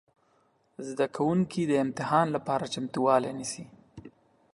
زده کوونکي د امتحان لپاره چمتووالی نیسي.